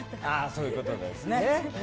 そういうことですね。